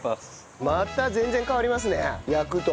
また全然変わりますね焼くと。